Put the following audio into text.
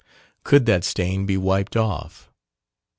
Could that stain be wiped off?